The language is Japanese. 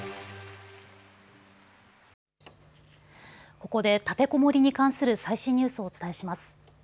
ここで立てこもりに関する最新ニュースをお伝えします。